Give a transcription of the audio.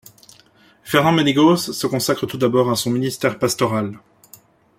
Fernand Ménégoz se consacre tout d'abord à son ministère pastoral.